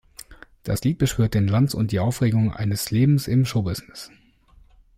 Das Lied beschwört den Glanz und die Aufregung eines Lebens im Show-Business.